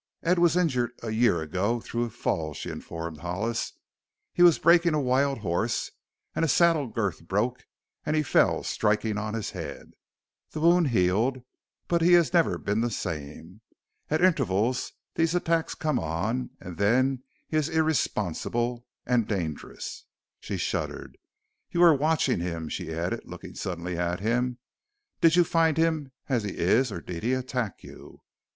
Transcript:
"Ed was injured a year ago through a fall," she informed Hollis. "He was breaking a wild horse and a saddle girth broke and he fell, striking on his head. The wound healed, but he has never been the same. At intervals these attacks come on and then he is irresponsible and dangerous." She shuddered. "You were watching him," she added, looking suddenly at him; "did you find him as he is or did he attack you?